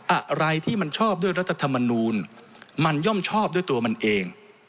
อะไรที่มันชอบด้วยรัฐธรรมนูลมันย่อมชอบด้วยตัวมันเอง